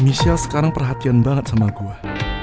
michelle sekarang perhatian banget sama gue